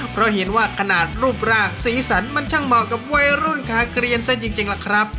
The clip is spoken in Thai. เพราะเห็นว่าขนาดรูปรากสีสันมันช่างเหมาะกับวัยรุ่นคาเกรียนซะจริงล่ะครับ